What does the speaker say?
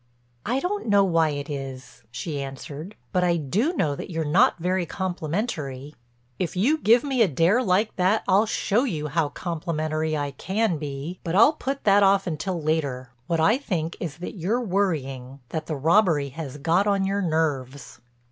"I don't know why it is," she answered, "but I do know that you're not very complimentary." "If you give me a dare like that I'll show you how complimentary I can be. But I'll put that off until later. What I think is that you're worrying—that the robbery has got on your nerves."